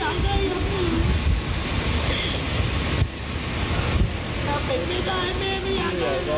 อยากให้ลูกกลับขึ้นมาให้ทำกันได้ไหมลูก